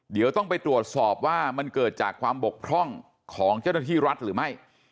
เดี๋ยวต้องไปตรวจสอบว่ามันเกิดจากความบกพร่องของเจ้าหน้าที่รัฐหรือไม่